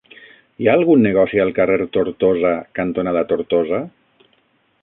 Hi ha algun negoci al carrer Tortosa cantonada Tortosa?